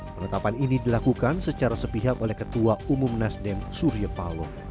penetapan ini dilakukan secara sepihak oleh ketua umum nasdem surya paloh